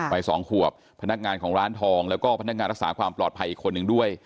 วัย๒ขวบพนักงานของร้านทองแล้วก็พนักงานรักษาความปลอดภัยอีกคนหนึ่งด้วย